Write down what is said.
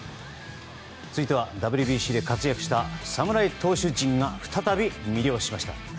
続いてはＷＢＣで活躍した侍投手陣が再び活躍しました。